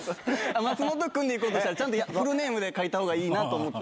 松本君でいこうとしたら、ちゃんとフルネームで書いたほうがいいなと思って。